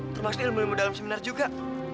termasuk ilmu ilmu dalam seminar juga